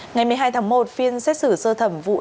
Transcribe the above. ngày một mươi hai tháng một phiên xét xử sơ thẩm vụ